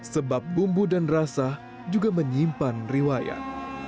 sebab bumbu dan rasa juga menyimpan riwayat